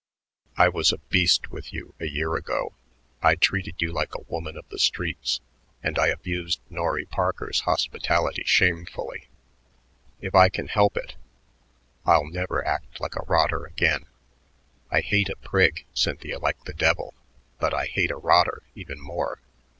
I was a beast with you a year ago. I treated you like a woman of the streets, and I abused Norry Parker's hospitality shamefully. If I can help it, I'll never act like a rotter again, I hate a prig, Cynthia, like the devil, but I hate a rotter even more.